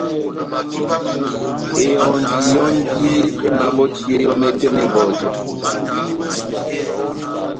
Ehɔndi yɔ́ndi emabɔtiyɛ yɔ́ mɛtɛ mɛtɛ mebɔjɛ